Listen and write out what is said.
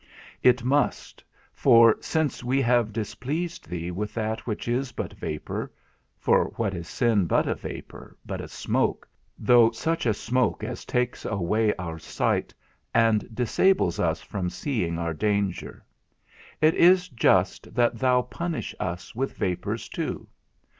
It must; for, since we have displeased thee with that which is but vapour (for what is sin but a vapour, but a smoke, though such a smoke as takes away our sight, and disables us from seeing our danger), it is just that thou punish us with vapours too.